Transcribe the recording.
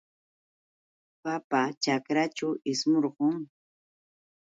Papa ćhakraćhu ishmurqun.